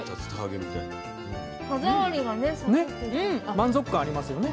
満足感ありますよね。